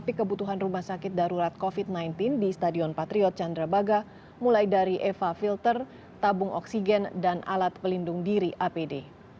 tapi kebutuhan rumah sakit darurat covid sembilan belas di stadion patriot candrabaga mulai dari eva filter tabung oksigen dan alat pelindung diri apd